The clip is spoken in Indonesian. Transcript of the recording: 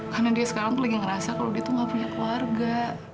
karena dia sekarang lagi ngerasa kalau dia tuh gak punya keluarga